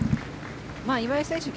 岩井選手